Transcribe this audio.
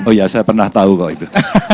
oh ya saya pernah tahu kok itu